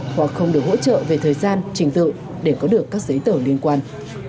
hoặc không được hỗ trợ về thời gian trình tự để có được các giấy tờ liên quan